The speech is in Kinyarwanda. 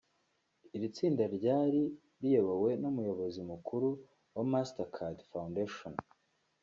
Iri tsinda ryari riyobowe n’Umuyobozi mukuru wa Mastercard Foundation